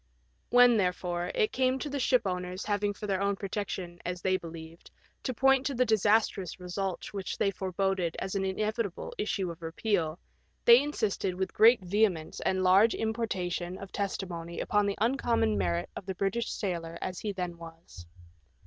When, therefore, it came to the shipowners having for their own protection, as they believed, to point to the disastrous results which they foreboded as an inevitable issue of repeal, they insisted with great vehemence and large importation of testimony upon the uncommon ♦ 1887. THE BKITISn SAILOE. 161 merit of the British sailor as he then was.